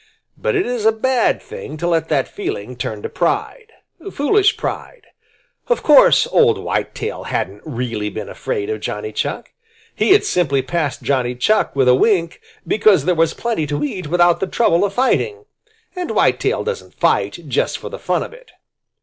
But it is a bad thing to let that feeling turn to pride, foolish pride. Of course old Whitetail hadn't really been afraid of Johnny Chuck. He had simply passed Johnny with a wink, because there was plenty to eat without the trouble of fighting, and Whitetail doesn't fight just for the fun of it.